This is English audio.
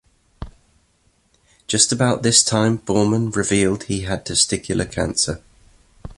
Just about this time Boorman revealed he had testicular cancer.